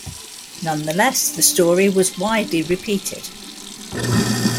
Nonetheless, the story was widely repeated.